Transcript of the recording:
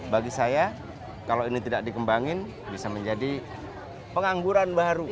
bagi saya kalau ini tidak dikembangin bisa menjadi pengangguran baru